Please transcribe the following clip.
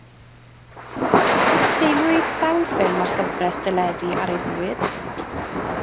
Seiliwyd sawl ffilm a chyfres deledu ar ei fywyd.